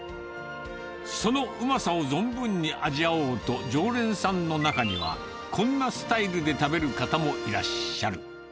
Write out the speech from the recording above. そのうまさを存分に味わおうと、常連さんの中には、こんなスタイルで食べる方もいらっしゃる。